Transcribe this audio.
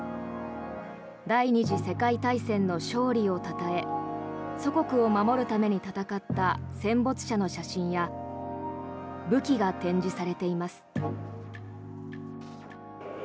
第２次世界大戦の勝利をたたえ祖国を守るために戦った戦没者の写真や武器が展示されています。